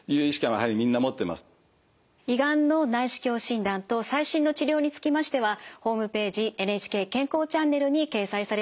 胃がんの内視鏡診断と最新の治療につきましてはホームページ「ＮＨＫ健康チャンネル」に掲載されています。